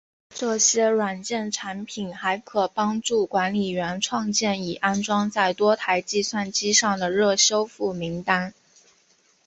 这些软件产品还可帮助管理员创建已安装在多台计算机上的热修复名单。